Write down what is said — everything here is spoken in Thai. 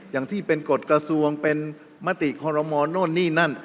มันจะสวงเป็นมติฆรมนอนนี่นั่น